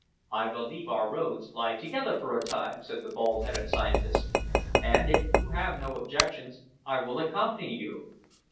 "I believe our roads lie together for a time," said the bald headed scientist, "and, if you have no objections, I will accompany you."